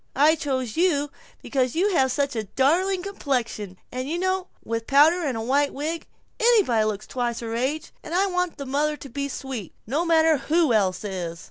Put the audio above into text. I chose you because you have such a darling complexion, and you know with powder and a white wig, anybody looks twice her age, and I want the mother to be sweet, no matter who else is."